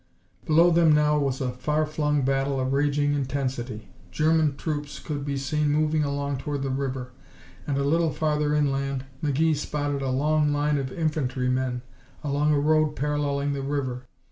Below them now was a far flung battle of raging intensity. German troops could be seen moving along toward the river, and a little farther inland McGee spotted a long line of infantrymen along a road paralleling the river.